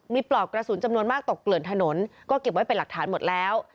มีปลอกกระสุนจำนวนมากตกเกลื่อนถนนก็เก็บไว้เป็นหลักฐานหมดแล้ว